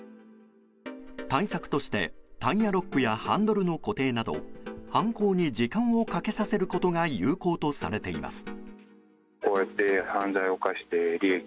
対策としてタイヤロックやハンドルの固定など犯行に時間をかけさせることが有効とされています。